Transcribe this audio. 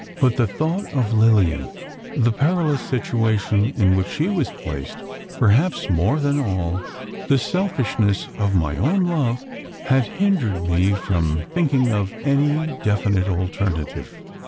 But the thought of Lilian the perilous situation in which she was placed perhaps more than all, the selfishness of my own love, had hindered me from thinking of any definite alternative.